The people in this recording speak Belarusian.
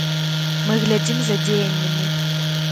Мы глядзім за дзеяннямі.